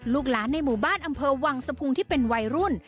ลูกหลานในหมู่บ้านอำเภอวังสะพุงที่เป็นวัยรุ่น